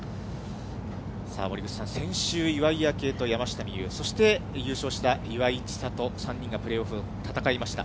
さあ、森口さん、先週、岩井明愛と山下美夢有、そして優勝した岩井千怜、３人がプレーオフを戦いました。